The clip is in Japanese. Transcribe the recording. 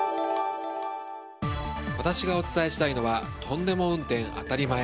私がお伝えしたいのはトンデモ運転当たり前！